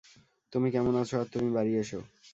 তুমি কেমন আছ, আর তুমি বাড়ি এসো।